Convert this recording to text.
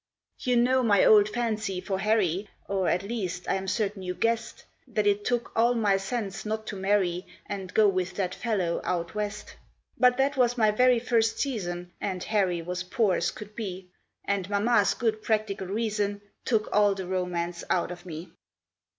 You know my old fancy for Harry Or, at least, I am certain you guessed That it took all my sense not to marry And go with that fellow out west. But that was my very first season And Harry was poor as could be, And mamma's good practical reason Took all the romance out of me.